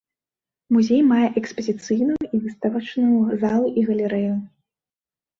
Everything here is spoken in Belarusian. Музей мае экспазіцыйную і выставачную залы і галерэю.